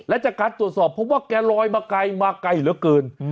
และจากการตรวจสอบเพราะว่าแกลอยมาไกลมาไกลเหลือเกิน